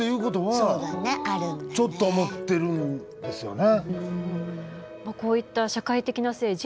ちょっと思ってるんですよね。